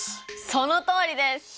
そのとおりです！